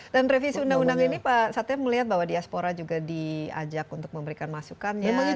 dan revisi undang undang ini pak satya melihat bahwa diaspora juga diajak untuk memberikan masukan ya